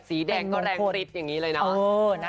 สีแดงก็แรงปริ๊ดอย่างนี้เลยเนอะ